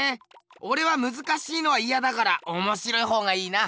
おれはむずかしいのはイヤだからおもしろいほうがいいな。